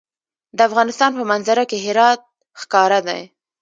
د افغانستان په منظره کې هرات ښکاره دی.